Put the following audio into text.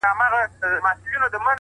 د سر په سترگو چي هغه وينمه _